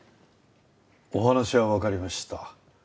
お話はわかりました。